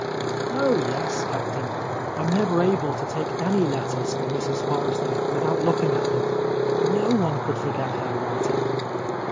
"Oh, yes, Captain! I'm never able to take any letters for Mrs. Forrester without looking at them. No one could forget her writing."